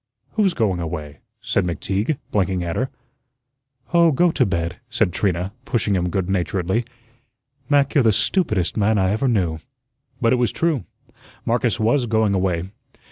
"Who's going away?" said McTeague, blinking at her. "Oh, go to bed," said Trina, pushing him goodnaturedly. "Mac, you're the stupidest man I ever knew." But it was true. Marcus was going away.